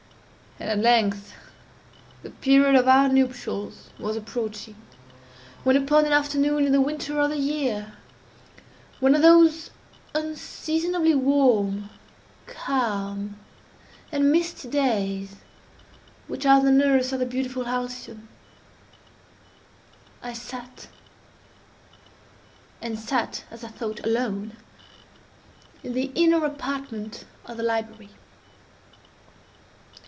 And at length the period of our nuptials was approaching, when, upon an afternoon in the winter of the year—one of those unseasonably warm, calm, and misty days which are the nurse of the beautiful Halcyon (*1),—I sat, (and sat, as I thought, alone,) in the inner apartment of the library.